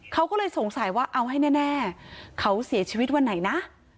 เขาก็เลยสงสัยว่าเอาให้แน่เขาเสียชีวิตวันไหนนะ